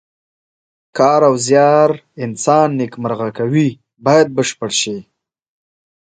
کار او زیار انسان نیکمرغه کوي باید بشپړ شي.